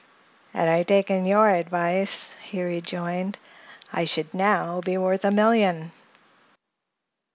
"Had I taken your advice," he rejoined, "I should now be worth a million."